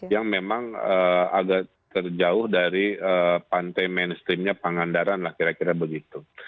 yang memang agak terjauh dari pantai mainstreamnya pangandaran lah kira kira begitu